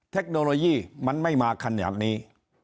เทคโนโลยีมันไม่มาขนาดนี้